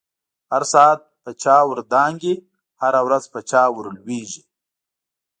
هر ساعت په چاور دانگی، هره ورځ په چا ورلویږی